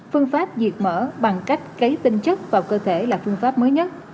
phương pháp diệt mở bằng cách cấy tinh chất vào cơ thể là phương pháp mới nhất